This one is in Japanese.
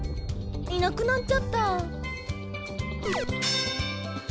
いなくなっちゃった。